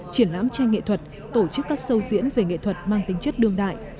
triển lãm tranh nghệ thuật tổ chức các sâu diễn về nghệ thuật mang tính chất đương đại